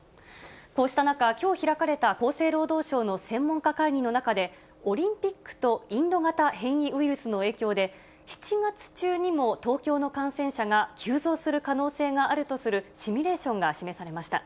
こうした中、きょう開かれた厚生労働省の専門家会議の中で、オリンピックとインド型変異ウイルスの影響で、７月中にも東京の感染者が急増する可能性があるとするシミュレーションが示されました。